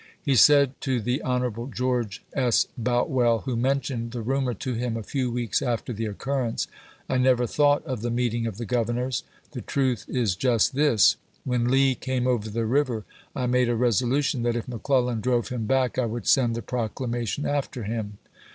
He said to the Hon. George S. Boutwell, who mentioned the rumor to him a few weeks after the occurrence :" I never thought of the meeting of the governors ; the truth is just this : When Lee came over the river, I made a resolution that if McClellan drove him back I would send the proclamation after him.